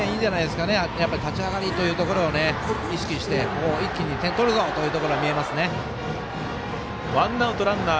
立ち上がりというところを意識して、一気に点を取るぞというところが見えますね。